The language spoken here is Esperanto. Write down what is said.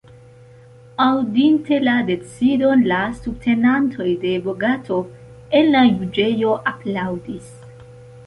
Aŭdinte la decidon, la subtenantoj de Bogatov en la juĝejo aplaŭdis.